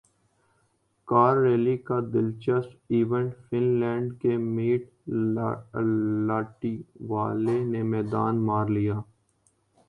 کارریلی کا دلچسپ event fun land کے میٹ لاٹوالہ نے میدان مار لیا